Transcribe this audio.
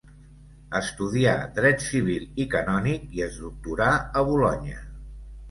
Estudià dret civil i canònic i es doctorà a Bolonya.